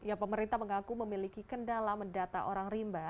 ya pemerintah mengaku memiliki kendala mendata orang rimba